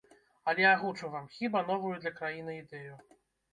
Але агучу вам, хіба, новую для краіны ідэю.